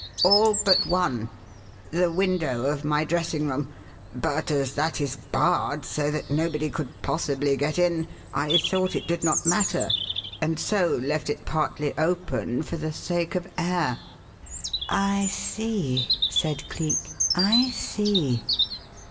"All but one the window of my dressing room but as that is barred so that nobody could possibly get in, I thought it did not matter, and so left it partly open for the sake of air." "I see," said Cleek. "I see!